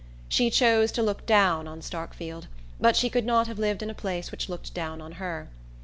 She chose to look down on Starkfield, but she could not have lived in a place which looked down on her.